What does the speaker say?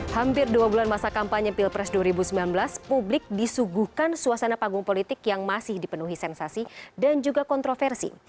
hampir dua bulan masa kampanye pilpres dua ribu sembilan belas publik disuguhkan suasana panggung politik yang masih dipenuhi sensasi dan juga kontroversi